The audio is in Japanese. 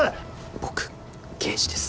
僕刑事です。